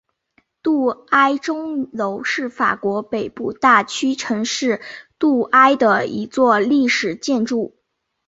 杜埃钟楼是法国北部大区城市杜埃的一座历史建筑。